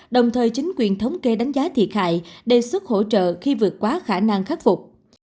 đồng thời chính quyền thống kê đánh giá thiệt hại đề xuất hỗ trợ khi vượt quá khả năng khắc phục